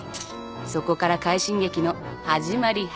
そこから快進撃の始まり始まり。